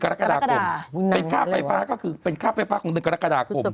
กรกฎาคมเป็นค่าไฟฟ้าของในกรกฎาคม